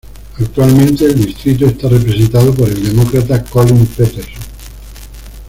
Actualmente el distrito está representado por el Demócrata Collin Peterson.